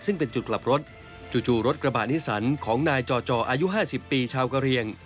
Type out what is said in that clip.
ซึ่งเป็นจุดกลับรถจู่รถกระบาดนิสันของนายจอจออายุ๕๐ปีชาวกะเรียง